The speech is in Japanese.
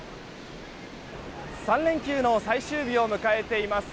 ３連休の最終日を迎えています。